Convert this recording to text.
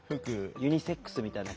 ユニセックスみたいな感じよね？